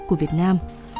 của việt nam